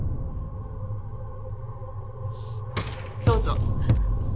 どうぞ。